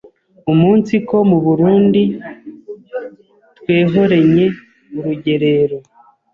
umunsiko mu Burunndi twehorenye Urugerero